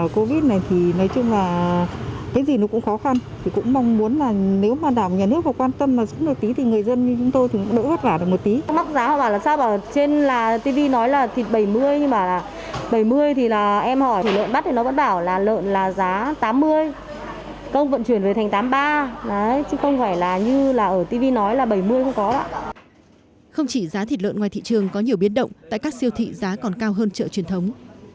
không chỉ giá thịt lợn ngoài thị trường có nhiều biến động tại các siêu thị giá còn cao hơn chợ truyền thống